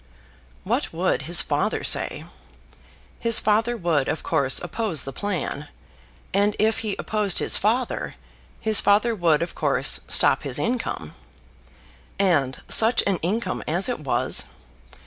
What would his father say? His father would of course oppose the plan. And if he opposed his father, his father would of course stop his income. And such an income as it was!